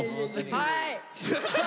はい！